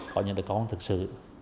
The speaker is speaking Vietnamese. có những đứa con thực sự